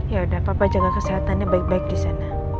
yaudah papa jaga kesehatannya baik baik disana